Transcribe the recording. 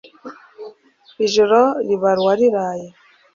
ijoro ribara uwariraye